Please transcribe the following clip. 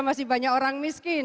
masih banyak orang miskin